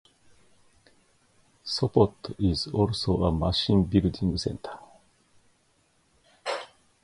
Sopot is also a machine building centre.